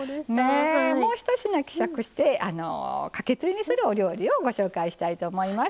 もう一品希釈してかけつゆにするお料理をご紹介したいと思います。